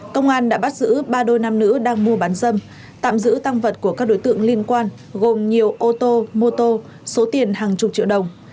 công an đã bắt giữ ba đôi nam nữ đang mua bán dâm tạm giữ tăng vật của các đối tượng liên quan gồm nhiều ô tô mô tô số tiền hàng chục triệu đồng